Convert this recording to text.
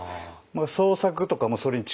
創作とかもそれに近い。